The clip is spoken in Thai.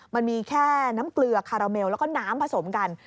มันมีแค่น้ำเกลือคาราเมลแล้วก็น้ำผสมกัน